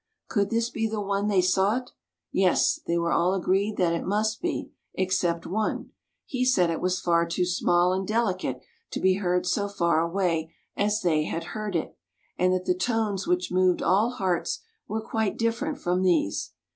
Could this be the one they sought? Yes, they were all agreed that it must be, except one; he said it was far too small and delicate to be heard so far away as they had heard it, and that the tones which moved all hearts were quite different from these.